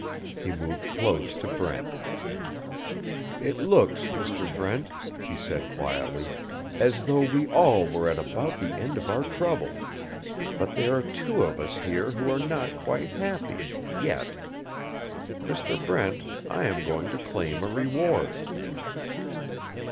He moved close to Brent. "It looks, Mr. Brent," he said, quietly, "as though we all were at about the end of our troubles. But there are two of us here who are not quite happy yet. Mr. Brent, I am going to claim a reward."